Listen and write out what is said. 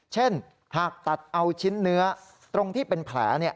เช่นหากตัดเอาชิ้นเนื้อตรงที่เป็นแผล